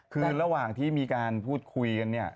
คือระหว่างที่มีการพูดคุยกันเนี่ย